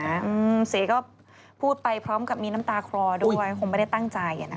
อืมเสก็พูดไปพร้อมกับมีน้ำตาคลอด้วยคงไม่ได้ตั้งใจ